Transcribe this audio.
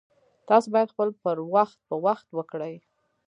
تاسو باید خپل پر وخت په وخت وکړئ